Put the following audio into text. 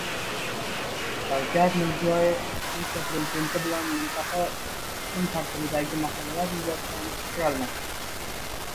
Shavkat Mirziyoyev Turkiya prezidenti bilan mintaqa kun tartibidagi masalalar yuzasidan fikr almashdi